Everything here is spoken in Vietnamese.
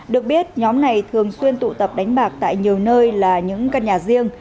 được biết nhóm này thường xuyên tụ tập đánh bạc tại nhiều nơi là những căn nhà riêng